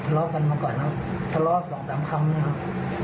ทะเลาะกันมาก่อนครับทะเลาะสองสามคำนะครับ